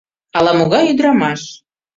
Ала-могай ӱдырамаш.